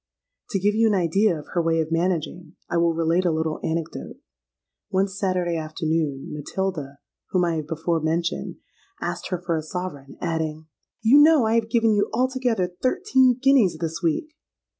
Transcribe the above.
To give you an idea of her way of managing, I will relate a little anecdote. One Saturday afternoon, Matilda (whom I have before mentioned) asked her for a sovereign; adding, 'You know I have given you altogether thirteen guineas this week.'